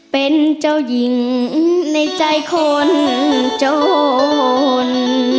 เป็นเจ้าหญิงในใจคนจน